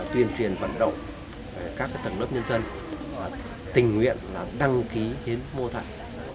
tuyên truyền vận động các tầng lớp nhân dân và tình nguyện là đăng ký hiến mô tạng